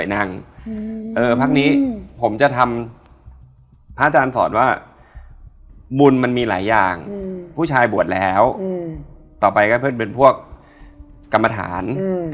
นโมตัสะได้แค่ไหน